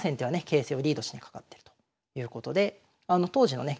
形勢をリードしにかかってるということで当時のね